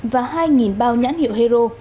và hai bao nhãn hiệu hero